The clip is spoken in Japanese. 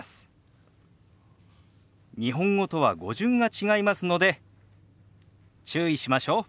日本語とは語順が違いますので注意しましょう。